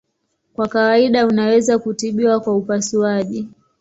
Kwa kawaida unaweza kutibiwa kwa upasuaji.